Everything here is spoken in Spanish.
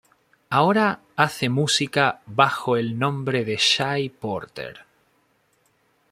Ahora hace música bajo el nombre de Shy Porter.